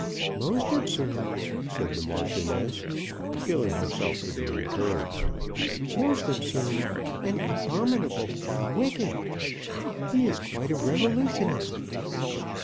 "Most absurd," said the Marchioness, feeling herself to be encouraged; "most absurd, and abominable, and wicked. He is quite a revolutionist."